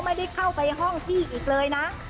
ไม่ได้เข้าไปห้องพี่อีกเลยนะ